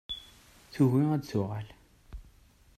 Tugi ad d-tuɣal.